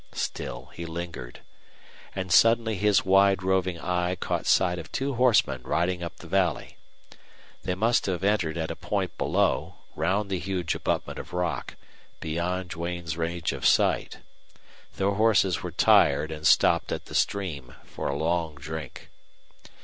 Still he lingered. And suddenly his wide roving eye caught sight of two horsemen riding up the valley. The must have entered at a point below, round the huge abutment of rock, beyond Duane's range of sight. Their horses were tired and stopped at the stream for a long drink.